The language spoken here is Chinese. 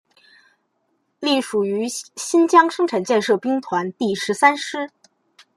隶属于新疆生产建设兵团第十三师。